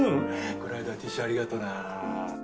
この間はティッシュありがとな。